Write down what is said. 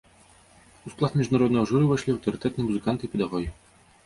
У склад міжнароднага журы ўвайшлі аўтарытэтныя музыканты і педагогі.